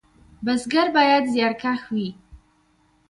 بزګر باید زیارکښ وي